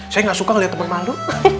saya gak suka ngeliat temen malu